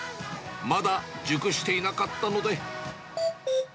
まだ熟していなかったので。